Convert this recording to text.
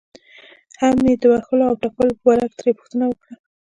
هم یې د وهلو او ټکولو په باره کې ترې پوښتنه وکړه.